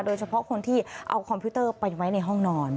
โดยเฉพาะคนที่เอาคอมพิวเตอร์ไปไว้ในห้องนอน